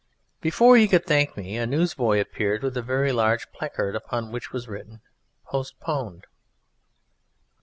Before he could thank me, a newsboy appeared with a very large placard, upon which was written "POSTPONED."